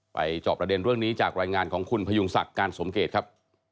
จอบประเด็นเรื่องนี้จากรายงานของคุณพยุงศักดิ์การสมเกตครับ